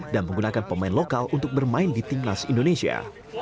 dan menggunakan pemain lokal untuk bermain di tim nas indonesia